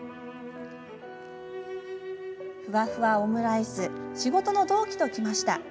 「ふわふわオムライス仕事の同期と来ました。